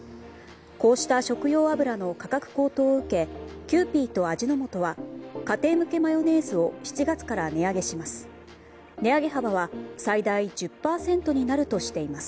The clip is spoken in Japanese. こうした食用油の価格高騰を受けキユーピーと味の素は家庭向けマヨネーズを７月から値上げします。